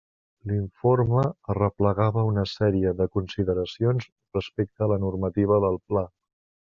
L'informe arreplegava una sèrie de consideracions respecte a la normativa del Pla.